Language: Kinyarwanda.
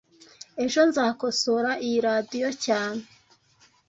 Ejo nzakosora iyi radio cyane